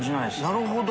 なるほど。